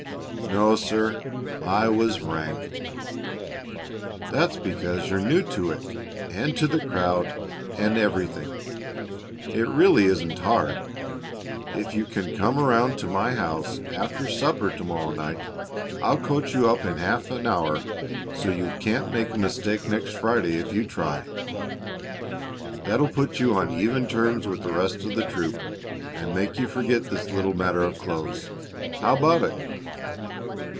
"No, sir. I was rank." "That's because you're new to it, and to the crowd, and everything. It really isn't hard. If you can come around to my house after supper to morrow night, I'll coach you up in half an hour so you can't make a mistake next Friday if you try. That'll put you on even terms with the rest of the troop, and make you forget this little matter of clothes. How about it?"